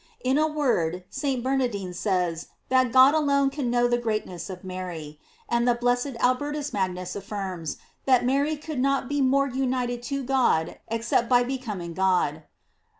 In a word, St. Ber nardine says that God alone can know the great ness of Mary;* and the blessed Albertus Mag nus affirms that Mary could not be more united to God except by becoming God.